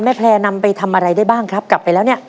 แพร่นำไปทำอะไรได้บ้างครับกลับไปแล้วเนี่ย